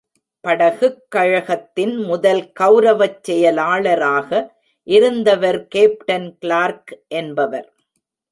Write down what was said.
படகுக் கழகத்தின் முதல் கௌரவச் செயலாளராக இருந்தவர் கேப்டன் கிளார்க் என்பவர்.